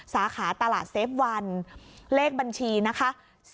สาขาตลาดเซฟวันเลขบัญชีนะคะ๔๐๗๗๕๘๑๑๐๔